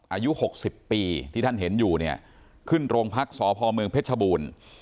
อายุ๖๐ปีที่ท่านเห็นอยู่เนี่ยขึ้นโรงพักษพเมืองเพชรชบูรณ์